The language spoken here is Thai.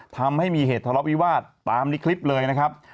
ทำให้มีเหตุทะเลาะวิวาสตามในคลิปเลยนะครับ